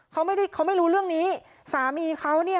เขาไม่ได้เขาไม่รู้เรื่องนี้สามีเขาเนี่ย